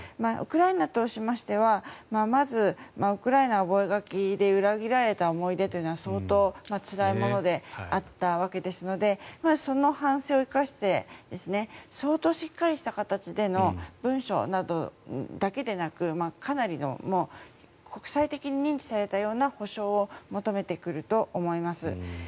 ウクライナとしましてはまず、ブダペスト覚書で裏切られた思い出というのは相当つらいものであったわけですのでその反省を生かして相当しっかりした形での文書などだけでなくかなり国際的に認知されたような保障を求めてくると思います。